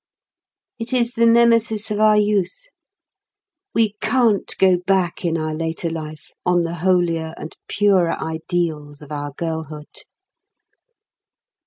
It is the Nemesis of our youth; we can't go back in our later life on the holier and purer ideals of our girlhood."